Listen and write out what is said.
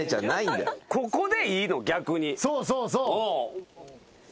そうそうそう。